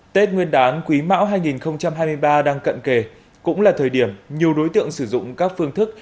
tết nguyên đán quý mão hai nghìn hai mươi ba đang cận kề cũng là thời điểm nhiều đối tượng sử dụng các phương thức